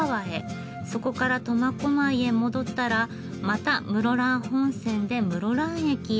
そこから苫小牧へ戻ったらまた室蘭本線で室蘭駅へ。